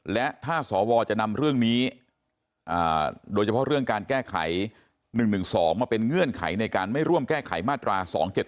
และถ้าสวจะนำเรื่องนี้โดยเฉพาะเรื่องการแก้ไข๑๑๒มาเป็นเงื่อนไขในการไม่ร่วมแก้ไขมาตรา๒๗๒